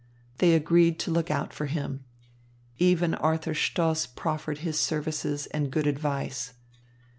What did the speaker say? They agreed to look out for him. Even Arthur Stoss proffered his services and good advice.